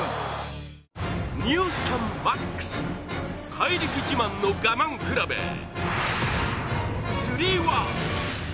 怪力自慢の我慢比べ、つり輪。